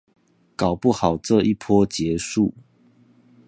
搞不好這一波結束